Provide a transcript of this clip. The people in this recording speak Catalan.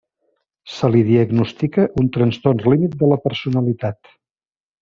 Se li diagnostica un Trastorn límit de la personalitat.